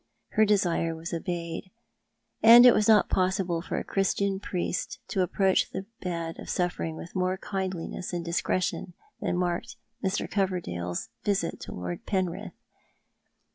Her desire was obeyed, and it was not possible for a Cliristian priest to approach the bed of suffering with more kindliness and discretion than marked Mr. Coverdale's visit to Lord Penrith.